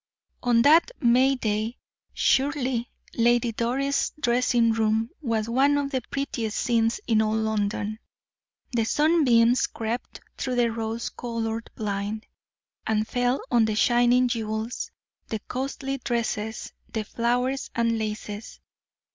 On that May day surely Lady Doris' dressing room was one of the prettiest scenes in all London. The sunbeams crept through the rose colored blind, and fell on the shining jewels, the costly dresses, the flowers and laces.